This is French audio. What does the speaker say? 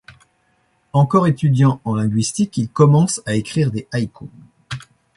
Encore étudiant en linguistique, il commence à écrire des haiku.